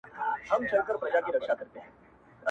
اوس هغه ښکلی کابل-